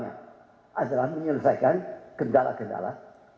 adalah menyelesaikan kendala kendala